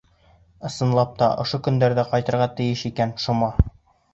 Ысынлап та, ошо көндәрҙә ҡайтырға тейеш икән Шома.